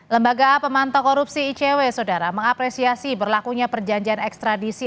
lembaga pemantau korupsi icw saudara mengapresiasi berlakunya perjanjian ekstradisi